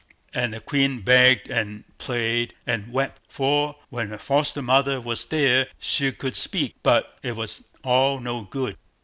And the queen begged and prayed, and wept; for when her foster mother was there, she could speak—but it was all no good.